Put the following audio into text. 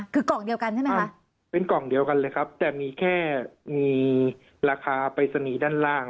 คือกล่องเดียวกันใช่ไหมคะเป็นกล่องเดียวกันเลยครับแต่มีแค่มีราคาปริศนีย์ด้านล่าง